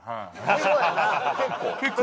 結構？